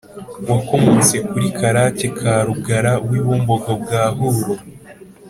wakomotse kuri karake ka rugara w’i bumbogo bwa huro